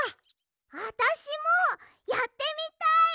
あたしもやってみたい！